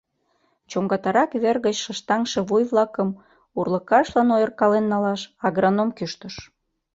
Чоҥгатарак вер гыч шыштаҥше вуй-влакым урлыкашлан ойыркален налаш агроном кӱштыш.